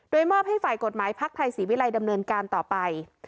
โดยมอบให้ฝ่ายกฎหมายพักไทยศรีวิลัยดำเนินการต่อไป